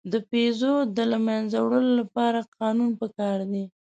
د پيژو د له منځه وړلو لپاره قانون پکار دی.